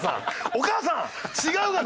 お母さん違うがな！